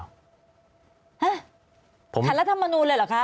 ฮะขัดรัฐมนูลเลยเหรอคะ